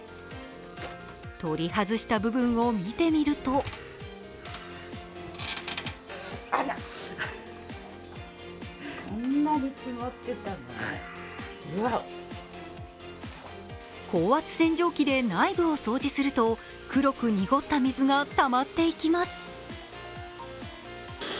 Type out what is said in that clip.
取り外した部分を見てみると高圧洗浄機で内部を掃除すると、黒く濁った水がたまっていきます。